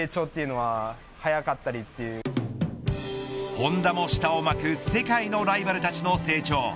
本多も舌を巻く世界のライバルたちの成長。